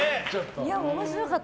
面白かった。